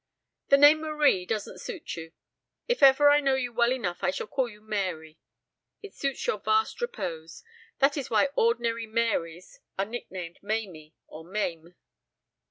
"The name Marie doesn't suit you. If ever I know you well enough I shall call you Mary. It suits your vast repose. That is why ordinary Marys are nicknamed 'Mamie' or 'Mame.'"